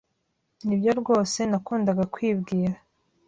Nibyo rwose nakundaga kwibwira.